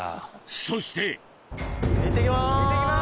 そしていってきます！